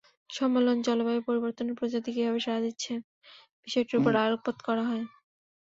সম্মেলনে জলবায়ু পরিবর্তনে প্রজাতি কীভাবে সাড়া দিচ্ছে, বিষয়টির ওপর আলোকপাত করা হয়।